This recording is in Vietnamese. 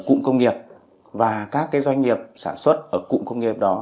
cụm công nghiệp và các doanh nghiệp sản xuất ở cụm công nghiệp đó